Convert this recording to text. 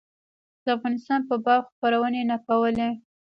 د افغانستان په باب خپرونې نه کولې.